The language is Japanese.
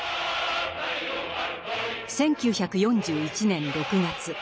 １９４１年６月。